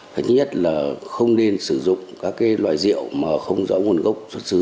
thật nhất là không nên sử dụng các loại rượu không rõ nguồn gốc xuất xứ